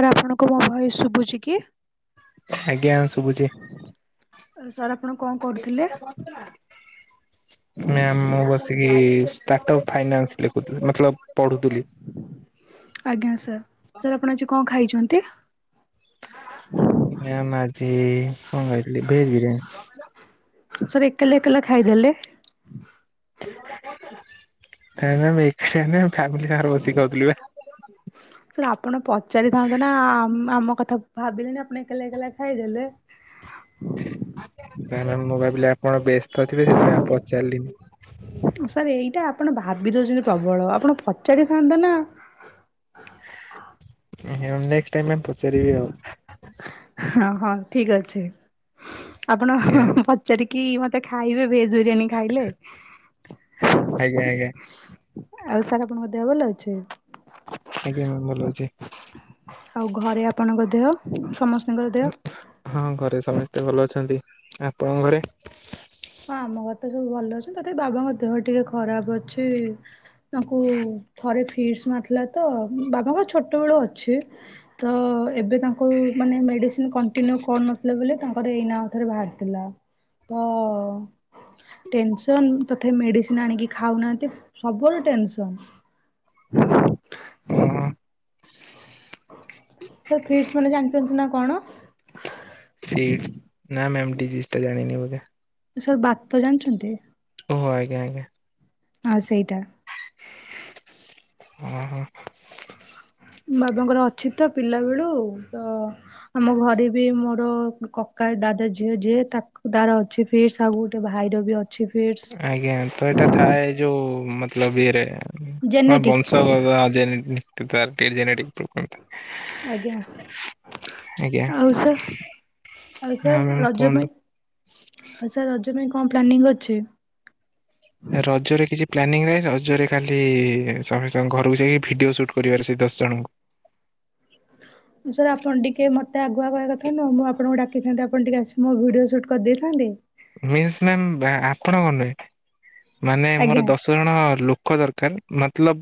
ଆରେ ଆପଣଙ୍କୁ ମୋ ଭଏସ ଶୁଭୁଛି କି? ଆଜ୍ଞା ଶୁଭୁଚି। ସାର୍ ଆପଣ କଣ କରୁଥିଲେ? ମ୍ୟାମ ମୁଁ ବସିକି ଷ୍ଟାର୍ଟପ ଫାଇନାନ୍ସ ଲେଖୁ ମତଲବ ପଢୁଥିଲି। ଆଜ୍ଞା ସାର୍ ସାର୍ ଆପଣ ଆଜି କଅଁ ଖାଇଛନ୍ତି? ମ୍ୟାମ ଆଜି କଅଁ ଖାଇଥିଲି ଭେଜ ବିରିୟାନୀ। ସାର୍ ଏକଲା ଏକଲା ଖାଇଦେଲେ। [unintelligible] ସାର୍ ଆପଣ ପଚାରିଥାନ୍ତେ ନା ଆମ କଥା ଭାବିଲେଣିି ଆପଣ ଏକଲା ଏକଲା ଖାଇଦେଲେ। ନାଇଁ ମ୍ୟାମ ମୁଁ ଭାବିଲି ଆପଣ ବ୍ୟସ୍ତ ଥିଵେ ସେଥିପାଇଁ ଆଉ ପଚାରିଲିନି। ସାର୍ ଏଇଟା ଆପଣ ଭାବି ଦଉଛନ୍ତି ପ୍ରବଳ ଆପଣ ପଚାରିଥାନ୍ତା ନା। ନେକ୍ସଟ୍ରେ ଟାଇମରେ ପଚାରିବି ଆଉ। ହଁ ହଁ ଠିକ୍ ଅଛି ଆପଣ ଆଜ୍ଞା ପଚାରିକି ମତେ ଖାଇବେ ଭେଜ ବିରିୟାନୀ ଖାଇଲେ ଆଜ୍ଞା ଆଜ୍ଞା ଆଉ ସାର୍ ଆପଣଙ୍କ ଦେହ ଭଲ ଅଛି? ଆଜ୍ଞା ମ୍ୟାମ ଭଲ ଅଛି। ଆଉ ଘରେ ଆପଣଙ୍କ ଦେହ ସମସ୍ତଙ୍କର ଦେଅ ହଁ ଘରେ ସମସ୍ତେ ଭଲ ଅଛନ୍ତି ଆପଣଙ୍କ ଘରେ ହଁ ଆମ ଘରେ ତ ସବୁ ଭଲ ଅଛନ୍ତି ତଥାପି ବାବାଙ୍କ ଦେହ ଟିକେ ଖରାପ ଅଛି ତାଙ୍କୁ ଥରେ ଫିସ୍ ମାରିଥିଲା ତ ବାବାଙ୍କ ଛୋଟ ବେଳୁ ଅଛି। ତ ଏବେ ତାଙ୍କୁ ମାନେ ମେଡିସିନ କଣ୍ଟିନ୍ୟୁ କରୁନଥିଲେ ବୋଲି ତାଙ୍କର ଏଇ ନାଁ ଥରେ ବାହାରିଥିଲା। ଅ ଅ ଅ ଟେନସନ ତଥାପି ମେଡିସିନ ଆଣିକି ଖାଉନାହାନ୍ତି ସବୁଳେ ଟେନସନ। [inaudible] ସାର୍ ଫ୍ରିଡ଼୍ସ୍ ମାନେ ଜାଣିପଛନ୍ତି ନା କଣ? ଫ୍ରିଡ଼୍ସ୍ ନା ମ୍ୟାମ ଡିଜିିଜ ଜାନିଣି ବୋଧେ। ସାର୍ ବାତ ଜାଣିଛନ୍ତି? ଓହ ଆଜ୍ଞା ଆଜ୍ଞା। ଆ ସେଇଟା। ଓହୋ। ବାବାଙ୍କର ଅଛି ତ ପିଲା ବେଳୁ ତ ଆମ ଘରେ ବି ମୋର କକା ଦାଦା ଝିଅ ଯିଏ ତାକୁ ତାର ଅଛି। ଫ୍ରିଡ଼୍ସ୍ ସାବୁ ଗୋଟେ ଭାଇର ବି ଅ ଆଜ୍ଞା ତ ଏଇଟା ଥାଏ ଯୋଉ ମତଲବ ଇଏରେ କଣ ଜେନେଟିକ୍ ବଂଶ ଯେ [unintelligible] ଆଜ୍ଞା। ଆଜ୍ଞା ଆଉ ସାର୍ ଆଉ ହଁ ସାର୍ ମ୍ୟାମ୍ ରଜ କୁହନ୍ତୁ। ପାଇଁ ଆଉ ସାର୍ ରଜ ପାଇଁ କଣ ପ୍ଲାନିଂ ଅଛି? ରଜରେ କିଛି ପ୍ଲାନିଂ ନାହିଁ ରଜରେ କାଲି ସମସ୍ତଙ୍କ ଘରକୁ ଯାଇକି ଭିଡିଓ ସୁଟ୍ କରିବାର ସେ ଦଶ ଜଣଙ୍କୁ। ସାର୍ ଆପଣ ଟିକେ ମତେ ଆଗୁଆ କରିବା କଥା ନୁହଁ ମୁଁ ଆପଣଙ୍କୁ ଡାକିଥାନ୍ତି ଆପଣ ଟିକେ ଆସିି ମୋ ଭିଡିଓ ସୁଟ୍ କରିଦେଇଥାନ୍ତେ। ମିଲସ ମ୍ୟାମ ଆପଣ କଣ ରଖିଲେ ମାନେ ମୋର ଆଜ୍ଞା ଦଶ ଦଶ ଜଣ ଲୋକ ଦରକାର ମତଲବ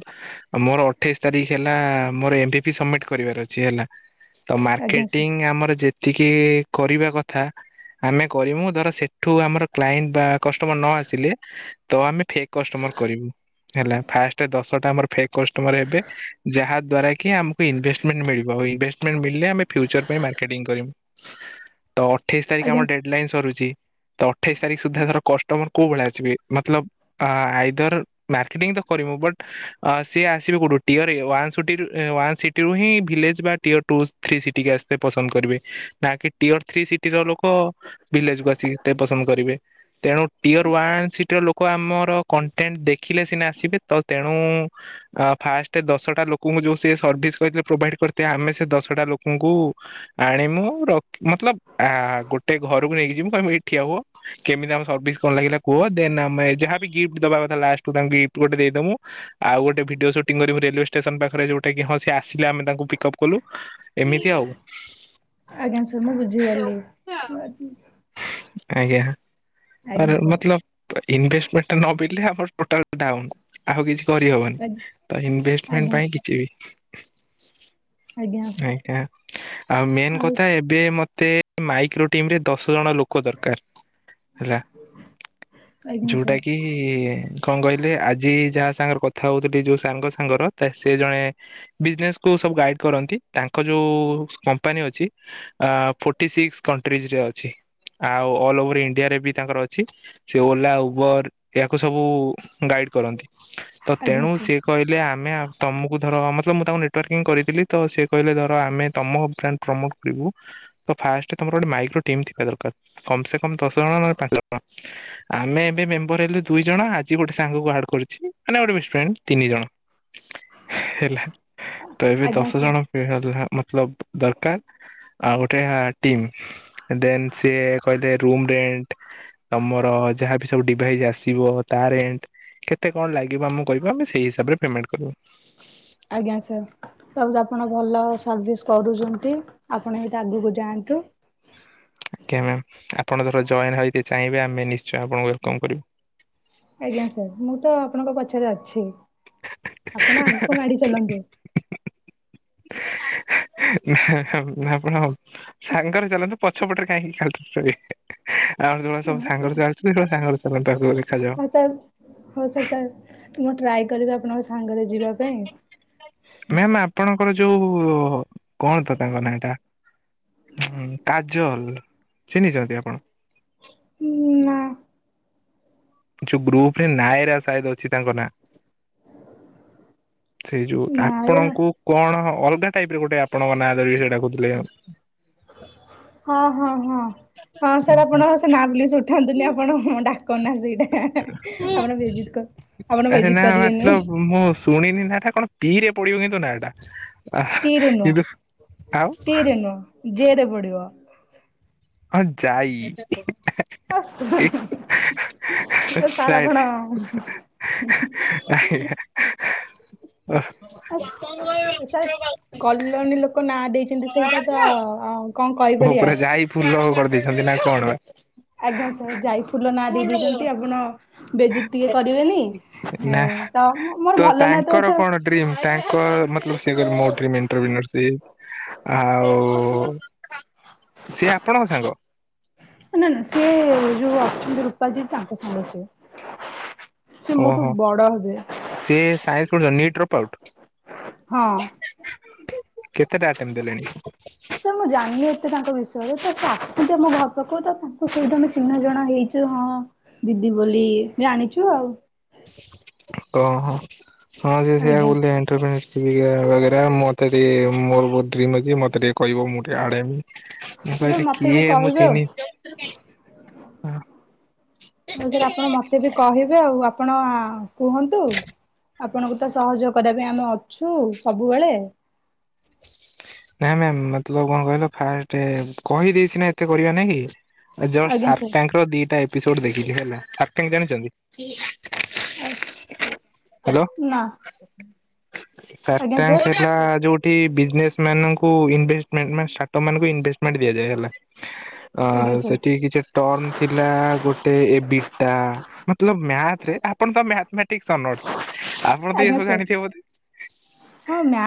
ମୋର ଅଠେଇଶି ତାରିଖ ହେଲା ମୋର ଏମ ବି ପି ସମିଟ କରିବାର ଅଛି ହେଲା ତ ଆଜ୍ଞା ସାର୍ ମାର୍କେଟିଂ ଆମର ଯେ ଯେତିକି କରିବା କଥା ଆମେ କରିମୁ ଧର ସେ ଠୁ ଆମର କ୍ଲାଇଣ୍ଟ ବା କଷ୍ଟମର ନ ଆସିଲେ ତ ଆମେ ଫେ କଷ୍ଟମର କରିବୁ ହେଲା ଫା ଦଶଟା ଆମର କଷ୍ଟମ ଯାହା ଦ୍ଵାରାକି ଆମକୁ ଉନ୍ଭେଷ୍ଟମି ମିଳିବ ଇନଭେଷ୍ଟ ବି ଆମେ ଫ୍ୟଚର ପାଇଁ ମାର୍କେଂ କରି ତ ଅଠେଇଶ ତାରିଖ ଆଜ୍ଞା ଆମ ଡେଡ ଲାଇନ୍ ସରୁଛି। ତ ଅଠେଇଶି ତାରିଖ ସୁଦ୍ଧା ତର କଷ୍ଟମର କୋଉ ଭଳିଆସିବେ ମତଲବ ଆଇଜର ମାର୍କେଟିଂ ତ କରିମୁ ବଟ୍ ସିଏ ଆସିବେ କୋଉଠୁ ଟିିୟର [unintelligible] ଟୁ ଥ୍ରୀ ସିଟି ଆସତେ ପସନ୍ଦ କରିବେ। ନାକି ଟିଅର ଥ୍ରୀ ସିଟି ର ଲୋକ, ଭିଲେଜ୍ କୁୁ ଆସିକି ତେ ପସନ୍ଦ କରିବେ। ତେଣୁ ଟିଅର ୱାନ୍ ସିଟିର ଲୋ କ ଆମର କଣ୍ଟେଣ୍ଟ ଦେଖିଲେ ସିନା ଆସିବେ। ତ ତେଣୁ ଆ ଫାଷ୍ଟ ଦଶଟା ଲୋକଙ୍କୁ ଯୋଉ ସିଏ ସର୍ଭିସ କହିଥିଲେ, ପ୍ରୋଭାଇଡ୍ କରତେ, ଆମେ ସେ ଦଶଟା ଲୋକଙ୍କୁ ଆଣି ମୁଁ, ରଖ୍, ମତଲବ ଆ ଗୋଟେ ଘରକୁ ନେଇକି ଯିମୁଁ, କହିମୁ ଏଇଠି ଠିଆ ହୁଅ। କେମିତି ଆମ ସର୍ଭିସ କଣ ଲାଗିଲା କୁହ? ଦେନ୍, ଆମେ ଯାହା ବି ଗିଫ୍ଟ ଦବା କଥା ଲାଷ୍ଟକୁ ଆମେ ଗିଫ୍ଟ ଗୋଟେ ଦେଇଦମୁଁ। ଆଉ ଗୋଟେ ଭିଡିଓ ସୁଟିଂ କରିବୁ ରେଲୱେ ଷ୍ଟେସନ୍ ପାଖରେ ଯଉଟା କି, ହଁ ସିଏ ଆସିଲେ, ଆମେ ତାଙ୍କୁ ପିକଅପ୍ କଲୁ। ଏମିତି ଆଉ। ଆଜ୍ଞା, ସାର୍ ମୁଁ ବୁଝିଗଲି। ଆଜ୍ଞା, ଆର୍ ଆଜ୍ଞା ସାର୍ ମତଲବ୍ ଇନ୍ ଭେଷ୍ଟମେଣ୍ଟ ଟା ନ ବିଲ୍ଲେ ଆମର ଟୋଟାଲ୍ ଡାଉନ୍। ଆଉ କିଛି କରିହବନି। ତ ଇନ୍ଭେଷ୍ଟମେଣ୍ଟ ଆଜ୍ଞା ପାଇଁ ସାର୍ କିଛି ବି ଆଜ୍ଞା ଆଜ୍ଞା, ଆଉ ମେନ୍ କଥା ଏବ୍ ଏବେ ମତେ ମାଇକ୍ରୋ ଟିମ୍ ରେ ଦଶ ଜଣ ଲୋକଦ କାର ହେଲା, ଆଜ୍ଞା ଯୋଉଟା ସାର୍ କି କି-ଇ କଣ କହିଲେ, ଆଜି ଯାହା ସାଙ୍ଗରେ କଥା ହଉଥିଲି, ଯୋଉ ସାଙ୍ଗ ସାଙ୍ଗର ତା ସେ ଜଣେ ବିଜ୍ନେସ୍ କୁ ସବୁ ଗାଇଡ୍ କରନ୍ତି, ତାଙ୍କ ଯୋଉ-ଉ କମ୍ପାନୀ ଅଛି ଆ ଫୋର୍ଟି ସିକ୍ସ କଣ୍ଟ୍ରିଜ୍ ରେ ଅଛି, ଆଉ ଅଲ୍ ଓଭର ଇଣ୍ଡିଆରେ ବି ତାଙ୍କର ଅଛି। ସେ ଓଲା, ଉବର ୟାକୁ ସବୁ-ଉ ଗାଇଡ୍ କରନ୍ତି। ତ ଆଜ୍ଞା ତେଣୁ ସାର୍ ସିଏ କହିଲେ ଆମେ ତମକୁ ଧର, ମତଲବ୍ ମୁଁ ତାଙ୍କୁ ନେଟୱାର୍କିଂ କରେଇଥିଲି, ତ ସେ କହିଲେ ଧର, ଆମେ ତମ ବ୍ରାଣ୍ଡ ପ୍ରମୋଟ୍ କରିବୁ। ଫାଷ୍ଟ ତମର ଗୋଟେ ମାଇକ୍ରୋ ଟିମ୍ ଥିବା ଦରକାର। କମ୍ ସେ କମ୍ ଦଶ ଜଣ, ନହେଲେ ପାଞ୍ଚ ଜଣ। ଆମେ ଏବେ ମେମ୍ବର ହେଲୁ ଦୁଇ ଜଣ। ଆଜି ଗୋଟେ ସାଙ୍ଗକୁ ଆଡ୍ କରିଛି, ମାନେ ଗୋଟେ ବେଷ୍ଟ ଫ୍ରେଣ୍ଡ ତିନି ଜଣ। ହେଲା, ତ ଏବେ ଆଜ୍ଞା ଦଶ ସାର୍ ଜଣ ହେଲା ମତଲବ୍ ଦରକାର। ଆଉ ଗୋଟେ ଟିମ୍, ଦେନ୍ ସିଏ କହିଲେ ରୁମ ରେଣ୍ଟ ତମର ଯାହାବି ସବୁ ଡିଭାଇଜ୍ ଆସିବ ତା ରେଣ୍ଟ କେତେ କଣ ଲାଗିବ? ଆମକୁ କହିବ, ଆମେ ସେଇ ହିସାବରେ ପେମେଣ୍ଟ କରିବୁ। ଆଜ୍ଞା ସାର୍। [unintelligible] ଆପଣ ଭଲ ସର୍ଭିସ୍ କରୁଛନ୍ତି, ଆପଣ ଏମିତି ଆଗୁକୁ ଯାଆନ୍ତୁ। ଆଜ୍ଞା ମ୍ୟାମ୍, ଆପଣ ଧର ଜଏନ୍ ହଇତେ ଚାହିଁବେ, ଆମେ ନିଶ୍ଚୟ ଆପଣଙ୍କୁ ୱେଲକମ୍ କରିବୁ। ଆଜ୍ଞା ସାର୍, ମୁଁ ତ ଆପଣଙ୍କ ପଛରେ ଅଛି। ଆପଣ ଆଗକୁ ମାଡି ଚାଲନ୍ତୁ। ନା, ନା, ଆପଣ! ସାଙ୍ଗରେ ଚାଲନ୍ତୁ। ପଛପଟରେ କାହିଁକି ଖାଲିଟାରେ ଚଳିବେ। ଆଉ [unintelligible] ସବୁ ସାଙ୍ଗରେ ଚାଲିୁଛି [unintelligible] ସାଙ୍ଗରେ ଚାଲନ୍ତୁ ଆଗକୁ ଦେଖାଯାଉ। ହଉ ସାର୍, ହଉ ସାର୍ ସାର୍, ମୁଁ ଟ୍ରାଏ କରିବି ଆପଣଙ୍କ ସାଙ୍ଗରେ ଯା ଯିବା ପାଇଁ ମ୍ୟାମ୍ ଆପଣଙ୍କର ଯୋଉ କଣ ତ ତାଙ୍କ ନାଁ ଟା? ହଁ, କାଜଲ! ଚିହ୍ନିଛନ୍ତି ଆପଣ? ଉଁ, ନା। ଯୋଉ ଗ୍ରୁପ ରେ ନାୟରା ସାଏଦ ଅଛି ତାଙ୍କ ନାଁ। ସେଇ ଯୋଉ ନାଇଁରେ ଆପଣଙ୍କୁ କଣ! ଅଲଗା ଟାଇପ୍ ର ଗୋଟେ ଆପଣଙ୍କ ନାଁ ଧରିକି ସେଇଟା କହୁଥିଲେ। ହଁ ହଁ ହଁ ହଁ ସାର୍ ଆପଣ ସେ ନା ପ୍ଲିଜ୍ ଉଠାନ୍ତୁନି ଆପଣ ଡାକ ନା ସେଇ ଆପଣ ବେଜିତ କ, ଆପଣ ବେଜିତ୍ କରିିବେନି। ମୋସ୍ ଶୁଣିନି ନାଁ ଟା କଣ ପି ରେ ପଡିବ କିନ୍ତୁ ନାଁ ଟା। ଆହ୍ ଟି ରେ ନୁହଁ କିନ୍ତୁ ଆଉ ଟି ରେ ନୁହଁ ଜେ ରେ ପଡ଼ିବ। ହଁ, ଆସ ଯାଇ-ଇ। [inaudible] ସାର୍ ଆପଣ ଏକ୍ [unintelligible] [inaudible] ଆ ସାର୍, କଲୋଣୀ ଲୋକ ନାଁ ଦେଇଚନ୍ତି, ସେଇଟା ତ ଆ-ଆଓ। [unintelligible] ଉପରେ ଯାଇ ଫୁଲ କରଦେଇଛନ୍ତି ନା କଣ? ଆଜ୍ଞା, ସାର୍ ଯାଇ ଫୁଲ ନାଁ ଦେଇ ଦେଇଚନ୍ତି ଆପଣ ବେଜିତି ଟିକେ କରିବେନି, ନା ଏ ତ ମୋ ମୋର୍ ଭଲ ନା ତ ଅଛ ଆଉ। ଟ୍ରିମ୍ ତାଂକର୍ ମତଲପ୍ ସିଏ କରି ମୋ ଟ୍ରିମ୍ ଇଣ୍ଟର୍ମିନର୍ସିପ୍ସ୍। ଆଉ ସିଏ ଆପଣଙ୍କ ସାଙ୍ଗ? ନା, ନା ସିଏ ଯୋଉ ଅଛନ୍ତି ରୂପାଦୀ ତାଙ୍କ ସାଙ୍ଗ ସିଏ। ସେ ମୋଠୁ ଓହୋ! ବଡ ହେବେ ସିଏ ସାଇସ୍ କଣ ଜାଣନି ଏଟ୍ର ପାଉଟ୍। ହଁ। କେତେଟା ଆଟେମ୍ ଦେଲେଣି? ସାର୍ ମୁଁ ଜାଣିନି ଏତେ ତାଙ୍କ ବିଷୟରେ, ତ ସେ ଆସନ୍ତି ଆମ ଘର ପାଖୁକ୍ ତ, ତାଙ୍କ ସହିତ ଆମେ ଚିହ୍ନା ଜଣା ହେଇଚୁ ହଁ। ଦିଦି ବୋଲି ଜାଣିଚୁ ଆଉ। ଓହୋ! ହଁ, ସିଏ ସେୟା ଆଜ୍ଞା ବୋଲି ଏଣ୍ଟ୍ର ପାଇଁ ଆସ୍ [unintelligible] ମୋତେ ଟିକେ ମୋରୋ ବୋହୁତ୍ ଡ୍ରିମ୍ ଅଛି, ମତେ ଟିକେ କହିବ ମୁଁ ଟିକେ ଆଡ଼୍ ହେମି। ତ ସାର୍ ମତେ ବି କହିବେ ଆଉ। ହଁ ହଁ, ସାର୍ ଆପଣ ମତେ ବି କହିବ୍ ହିବେ ଆଉ, ଆପଣ କୁହନ୍ତୁ ଆପଣଙ୍କୁ ତ ସହଯୋଗ କରିବା ପାଇଁ ଆମେ ଅଛୁ ସବୁବେଳେ। ନାଇଁ ମ୍ୟାମ୍, ମତଲବ୍ କଣ କହିଲ ଫାଷ୍ଟେ କହିଦେଇଚ ସିନା ଏତେ କରିବା ନାଗି ଜଷ୍ଟ୍ ଆଜ୍ଞା ସାର୍। ସାର୍ଟାଙ୍କ ର ଦିଟା ଇପିସୋଡ୍ ଦେଖଲି ହେଲା ସାର୍ଟାଙ୍କ ଜାଣିଚନ୍ତି? ଆର ନା। ଆଜ୍ଞା ସାର୍କାରଂକ୍ ସାର୍ ହେଲା ଯୋଉଠି ବିଜନେସ୍ ମାନଂକୁ ଇନଭିସ୍ମେଣ୍ଟ୍ ମାନ୍ ଷ୍ଟାଟ ମାନଂକୁ ଇନଭିସ୍ମେଣ୍ଟ୍ ଦିଆଯାଏ ହେଲା। ସ୍ଲେ ଆ ଆଜ୍ଞା ସାର୍ ସେଠିକି କିଛି ଟର୍ନ ଥିଲା ଗୋଟେ ଏ ବିଟା ମତଲବ୍ ମ୍ୟାଥ୍ ରେ ଆପଣ ତ ମ୍ୟାଥ୍ ମ୍ୟାଟ୍ ଟିକ ସନଟ୍ସ୍ ଆପଣ ତ ଏ ଆଜ୍ଞା ସବୁ ସାର୍ ଜାଣିଥିବେ ବୋଧେ,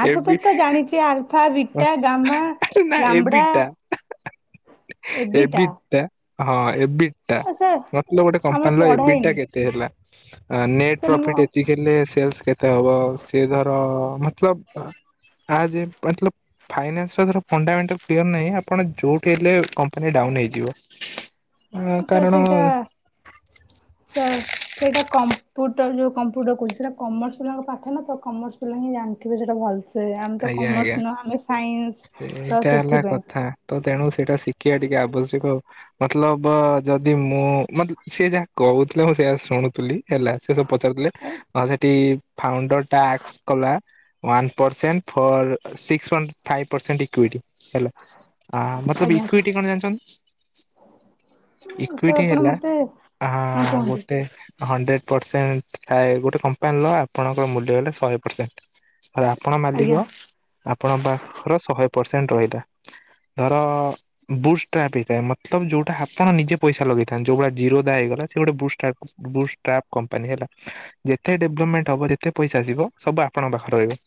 ଏ ବି କି ଆଲଫା, ବିଟା, ଗାମା, ନା ଲାମ୍ବଡା, ଏବିଟା ଏବିଟା। ହଁ, ଏବିଟା ଆ ସାର୍ ମତଲବ୍ ଗୋଟେ ଆମର କମ୍ପାନୀର ପଢା ଏବିଟା ହେଇନି କେତେ ହେଲା? ଆଁ ନେଟ୍ ସାର୍ ମୁଁ ପ୍ରଫିଟ୍ ଏତିକି ହେଲେ ସେଲ୍ସ୍ କେତ୍ ତ୍ୱାୱାବ୍ ସିଏ ଧର ମତଲପ୍ ଆ ଯେବ୍ ପାଟଲପ୍ ଫାଇନାନ୍ସ୍ ର ଧର ଫଣ୍ଡାମେଟାଲ୍ କ୍ଲିଅର ନାଇଁ ଆପଣ ଯୋଉଠି ହେଲେ କମ୍ପାନୀ ଡାଉନ ହେଇଯିବ। ଅ ସାର୍ କାରଣ ସେଇଟା [inaudible] ସାର୍ ସେଇଟା କମ୍ପୁଟର୍ ଯୋଉ କମ୍ପୁଟର୍ କୋଉଚି ସେଇଟା କମର୍ସ ପିଲାଙ୍କ ପାଠ ନା ତ କମର୍ସ ପିଲା ହିଁ ଜାଣଥିବେ ସେଇଟା ଭଲସେ। ସେୟା ଆମ ତ ଆଜ୍ଞା କମର୍ସ ଆଜ୍ଞା ନୁହଁ, ଆମେ ସାଇନ୍ସ୍ ତ ଏଇଟା ହେଲା ସେଥିପାଇଁ। କଥା ତ ତେଣୁ ସେଇଟା ଶିକିଆ ଟିକେ ଆବଶ୍ଯକ ଆଉ। ମତଲବ୍ ବ ଯଦି ମୁଁ ମତ୍ ସେ ଯାହା କହୁଥିଲେ ମୁଁ ସେୟା ଶୁଣୁଥିଲି। ହେଲା ସେ ସବୁ ପଚାରଥୁଲେ, ଆ ସେଠି ଫାଉଣ୍ଡର୍ ଟା ଆକ୍ସ କଲା one percent for six point five percent equity ହେଲା। ଆ, ମତଲବ୍ ଆଜ୍ଞା ଇକ୍ୱିଟି ସାର୍ କଣ ଜାଣଚନ୍ତି? ସାର୍ ଇକ୍ୱିଟି ଆପଣ ହେଲା, ମତେ ଆ ହଁ କୁହନ୍ତୁ ଗୋଟେ ହଣ୍ଡ୍ରେଡ୍ ପରସେଣ୍ଟ୍ ଥାଏ, ଗୋଟେ କମ୍ପାନୀର ଆପଣଙ୍କ ମୂଲ୍ୟ ହେଲା ଶହେ ପରସେଣ୍ଟ୍। ହର୍ ଆପଣ ମାଲିକ, ଆଜ୍ଞା ଆପଣ ପାଖ-ର ଶହେ ପରସେଣ୍ଟ୍ ରହିଲା। ଧର ବୁଷ୍ଟଆପ ହେଇଥାଏ ମତଲବ ଯଉଟାହାପଣ ନିଜେ ପଇସା ଲଗେଇଥାନ୍ତ ଯୋଉଭଳିଆଟା ଜିର ଦା ହେଇଗଲା ସେ ଗୋଟେବୁଷ୍ଟୁ ଆ ବୁସ୍ ଟ୍ରାପ କମ୍ପାନୀ ହେଲା ଯେତେ ଡେଭଲପମେଣ୍ଟ ହବ ଯେତେ ପଇସା ଆସିବ ସବୁ ଆପଣଙ୍କ ପାଖରେ ରହିବ।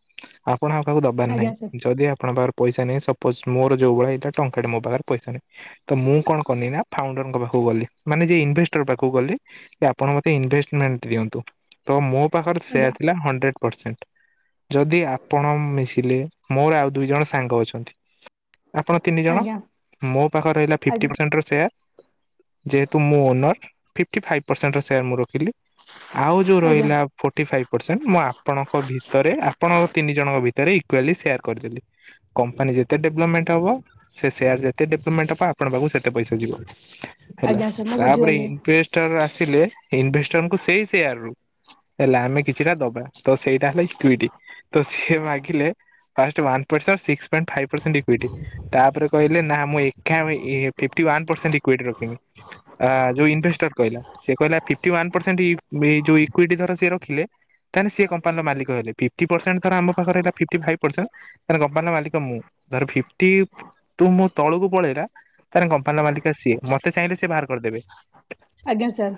ଆପଣ ଆଉ କହାକୁ ଦବାର ଆଜ୍ଞା ସାର୍ ନାହିଁ ଯଦି ଆପଣଙ୍କ ପଇସା ନାହିଁ ସୋପୋଜ ମୋର ଯୋଉଳି ଏଇ ଟଙ୍କାଟେ ମୋ ପାଖରେ ପଇସା ନାହିଁ। ତ ମୁଁ କଣ କନି ନା ଫାଉଣ୍ଡରଙ୍କ ପାଖକୁ ଗଲି ମାନେ ଯିଏ ଇନଭେଷ୍ଟର ପାଖକୁ ଗଲି ଆପଣ ମୋତେ ଇନଭେଷ୍ଟମେଣ୍ଟ ଦିଅନ୍ତୁ ତୋ ମୁଁ ପାଖରେ ସେ ଆଜ୍ଞା ଥିଲା ହଣ୍ଡେ ପରସେଣ୍ଟ ଯଦି ଆ ଆପଣ ମିଶିଲେ ମୋର ଆଉ ଦୁଇ ଜଣ ସାଙ୍ଗ ଅଛନ୍ତି ଆପଣ ତିନି ଜଣ ଆଜ୍ଞା ମୋ ପାଖରେ ରହିଲା ଆଜ୍ଞା ଫିଫ୍ଟି ପରସେଣ୍ଟ ର ସେୟାର ଯେହେତୁ ମୋ ଓନର୍ ଫିଫ୍ଟି ପରସେଣ୍ଟ ସେୟାର ମୁଁ ରଖିଲି ଆଉ ଯୋଉ ଆଜ୍ଞା ରହିଲା ଫୋଟି ଫାଇପ୍ ପରସେଣ୍ଟ ମୁଁ ଆପଣଙ୍କ ଭିତରେ ଆପଣଙ୍କ ତିନି ଜଣଙ୍କ ଭିତରେ ଇକ୍ୱାଲି ସେୟାର୍ କରିଦେଲି। କମ୍ପାନୀ ଯେତେ ଡେଭଲପମେଣ୍ଟ ହବ ସେ ସେୟାର ଯେତେ ଡେଭଲପମେଣ୍ଟ ହେବ ଆପଣ ପାଖକୁ ସେତେ ପଇସା ଯିବ ହେଲା ଆଜ୍ଞା ସାର୍ ମୁଁ ତାପରେ ବୁଝିଗଲି ହିଁ ପେଷ୍ଟରେ ଆସିଲେ ଇନଭେଷ୍ଟରଙ୍କୁ ସେଇ ସେୟାର ରୁ ହେଲା ଆମେ କିଛିଟା ଦବା ତ ସେଇଟା ହେଲା ଟୁଇଟି ତ ସିଏ ମାଗିଲେ first one percent six point five percent equity ତାପରେ କହିଲେ ମୁଁ ଏକା ଇ ଫିଫ୍ଟି ୱାନ ଇୱାଇଟି ରଖିନି ଯୋଉ ଇନଭେଷ୍ଟର କହିଲା। ସେ କହିଲା ଫିଫ୍ଟି ଯୋଉ ଇକ୍ଇଟି ଧର ସିଏ ରଖିଲେ ତାହାଲେ ସିଏ କମ୍ପାନୀର ମାଲିକ ହେଲେ। ପରସେଣ୍ଟ ତାର ଆମ ପାଖରେ ଏଇନା ଫିଫ୍ଟି ଫାଇପ୍ ପରସେଣ୍ଟ ମାନେ କମ୍ପାନୀ ର ମାଲିକ ମୁଁ। ଧର ଫିଫ୍ଟି ତୁ ମୁଁ ତଳକୁ ପଳେଇଲା ତାର କମ୍ପାନୀର ମାଲିକ ସିଏ। ମତେ ଚାହିଁଲେ ସେ ବାହାର କରିଦେବେ। ଆଜ୍ଞା ସାର୍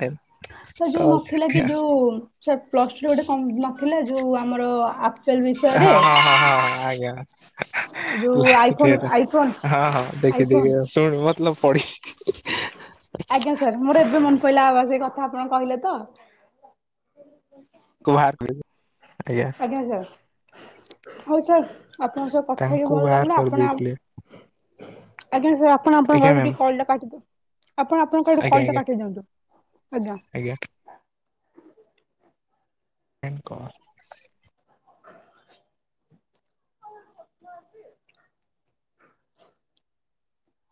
ସାର୍ ତ ଯୋଉ ନଥିଲା କି ଯୋଉ ସାର୍ ପ୍ଲସ୍ ଟୁରେ ଗୋଟେ ନଥିଲା ଯୋଉ ଆମର ବିଷୟରେ ହଁ ହଁ ହଁ ହଁ ହଁ ଆଜ୍ଞା। ଯୋଉ ଆଇଫୋନ ଆଇଫୋନ ହଁ ହଁ ଦେଖି ଆଇଫୋନ ଦେଖି ଶୁଣି ମତଲବ ପଡି ଆଜ୍ଞା ସାର୍ ମୋର ଏବେ ମନେ ପଡିଲା ଆ ବା ସେଇ କଥା ଆପଣ କହିଲେ ତ? କୁ ବାହାର କରିବୁ ଆଜ୍ଞା। ଆଜ୍ଞା ସାର୍ ହୋଉ ସାର୍ ଆପଣଙ୍କ ସହ କଥା ହେଇକି ତାଙ୍କୁ ଭଲ ବାହାର ଲାଗିଲା। ଆପଣ କରିଦେଇଥିଲେ ଆଜ୍ଞା ସାର୍‌ ଆପଣ ଆପଣଙ୍କ ଆଜ୍ଞା ଆଡୁ ମ୍ୟାମ୍ ଟିକେ କଲ୍ ଟା କାଟି ଦିଅନ୍ତୁ। ଆପଣ ଆପଣଙ୍କ ଆଡୁ ଆଜ୍ଞା କଲ୍ ଟା ଆଜ୍ଞା କାଟି ଦିଅନ୍ତୁ। ଆଜ୍ଞା। ଆଜ୍ଞା। ଏନ୍ କର୍।